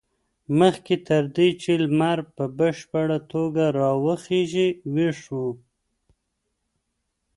مخکې تر دې چې لمر په بشپړه توګه راوخېژي ویښ و.